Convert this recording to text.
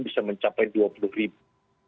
bisa mencapai dua puluh ribu